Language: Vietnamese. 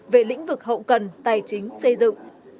về lĩnh vực hậu cần tài chính xây dựng